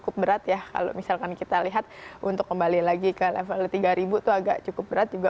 cukup berat ya kalau misalkan kita lihat untuk kembali lagi ke level tiga ribu itu agak cukup berat juga